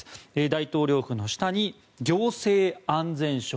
大統領府の下に行政安全省。